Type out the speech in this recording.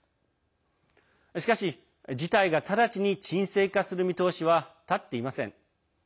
しかし、事態が直ちに鎮静化する見通しは立っていません。